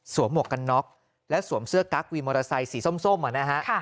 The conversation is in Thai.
สวมหมวกกันน็อกและสวมเสื้อกั๊กวินมอเตอร์ไซส์สีส้มส้มเหรอนะฮะค่ะ